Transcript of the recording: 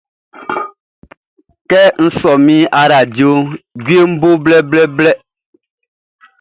Kɛ n sɔ min aradioʼn, djueʼn bo blɛblɛblɛ.